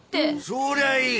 そりゃいい！